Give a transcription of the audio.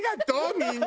みんな。